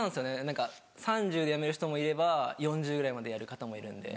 何か３０で辞める人もいれば４０ぐらいまでやる方もいるんで。